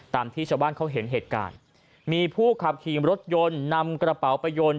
ที่ชาวบ้านเขาเห็นเหตุการณ์มีผู้ขับขี่รถยนต์นำกระเป๋าไปยนต์